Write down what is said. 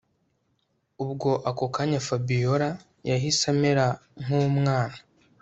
Ubwo ako kanya Fabiora yahise amera nkumwana